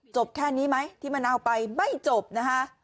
แค่นี้ไหมที่มะนาวไปไม่จบนะคะ